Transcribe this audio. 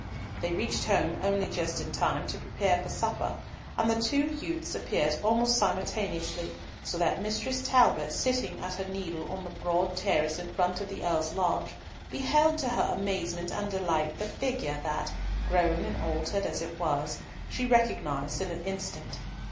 They reached home only just in time to prepare for supper, and the two youths appeared almost simultaneously, so that Mistress Talbot, sitting at her needle on the broad terrace in front of the Earl's lodge, beheld to her amazement and delight the figure that, grown and altered as it was, she recognised in an instant.